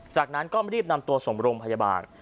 จากนั้นก็รีบนำตัวส่งโรงพยาบาล